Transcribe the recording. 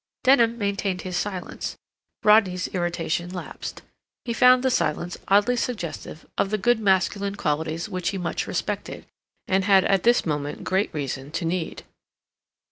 Denham maintained his silence. Rodney's irritation lapsed. He found the silence oddly suggestive of the good masculine qualities which he much respected, and had at this moment great reason to need.